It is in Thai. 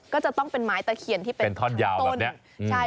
ก็จะต้องเป็นไม้ตะเคียนที่เป็นท่อนยาวต้น